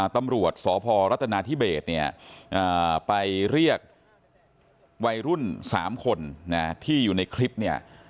ตำรวจสพรัฐนาธิเบสเนี่ยไปเรียกวัยรุ่น๓คนที่อยู่ในคลิปเนี่ย